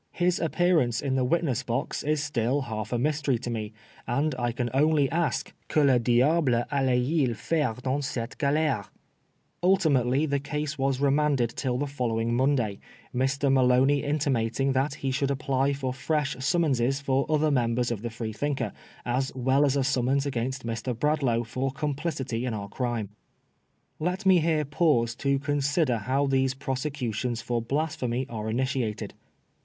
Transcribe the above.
His appearance in the witness box is still half a mystery to me and I can only ask, Q^e le diahle allait il faire dans ceite gaUre f Ultimately the case was remanded till the following Monday, Mr. Maloney intimating that he should apply for fresh summonses for other numbers of the Freethinker^ as well as a summons against Mr. Brad laugh for complicity in our crime. Let me here pause to consider how these prosecutions for blasphemy are initiated.